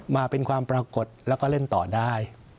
มาเป็นความปรากฏแล้วก็เล่นต่อได้